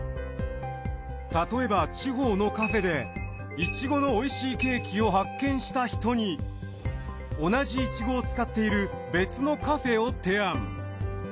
例えば地方のカフェでイチゴのおいしいケーキを発見した人に同じイチゴを使っている別のカフェを提案。